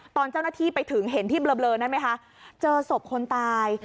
ตอนเจ้าหน้าที่ไปถึงเห็นที่เบลอนั่นไหมคะเจอศพคนตาย